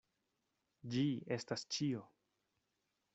Ĝi estas ĉio.